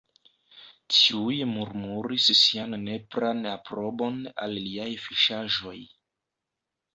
Ĉiuj murmuris sian nepran aprobon al liaj fiŝaĵoj.